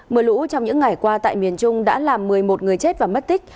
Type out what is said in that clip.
mưa lũ trong những ngày qua tại miền trung đã làm một mươi một người chết và mất tích